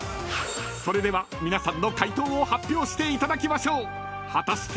［それでは皆さんの回答を発表していただきましょう］